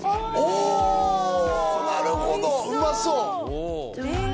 おおなるほどうまそうへえ